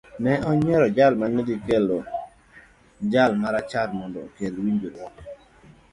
Ne oyiero jal ma ne dhi bedo jal ma rachar mondo okel winjruok.